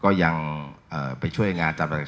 ก็ยังไปช่วยน้องอามก็ยังไปช่วย